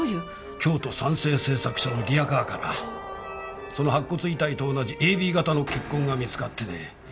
京都サンセイ製作所のリヤカーからその白骨遺体と同じＡＢ型の血痕が見つかってね。